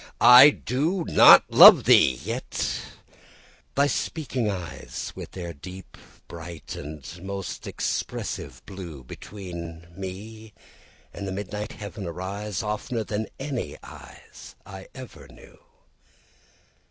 I do not love thee!—yet thy speaking eyes, With their deep, bright, and most expressive blue, Between me and the midnight heaven arise, 15 Oftener than any eyes I ever knew.